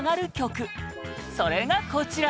それが、こちら！